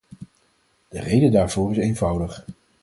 De reden daarvoor is eenvoudig.